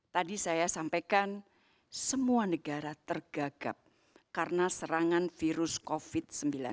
tadi saya sampaikan semua negara tergagap karena serangan virus covid sembilan belas